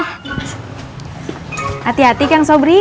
hati hati kang sobri